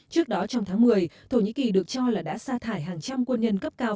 trước đó trong tháng một mươi thổ nhĩ kỳ được cho là đã xa thải hàng trăm quân nhân cấp cao